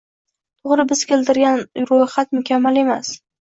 To‘gri biz keltirgan ruxhat mukammal emas.